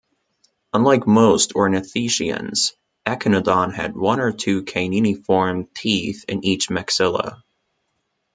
Unlike most ornithischians, "Echinodon" had one or two caniniform teeth in each maxilla.